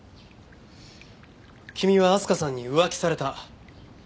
君は明日香さんに浮気された。